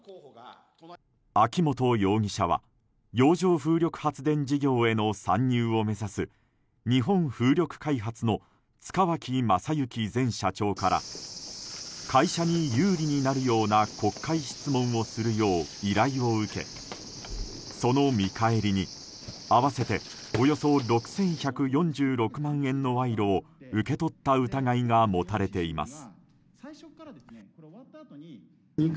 秋本容疑者は洋上風力発電事業への参入を目指す日本風力開発の塚脇正幸前社長から会社に有利になるような国会質問をするよう依頼を受けその見返りに、合わせておよそ６１４６万円の賄賂を受け取った疑いが持たれています。